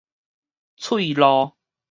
喙路